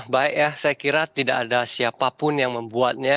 baik ya saya kira tidak ada siapapun yang membuatnya